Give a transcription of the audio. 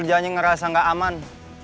kerjaannya ngerasa gak aman